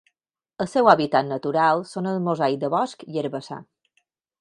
El seu hàbitat natural són els mosaics de bosc i herbassar.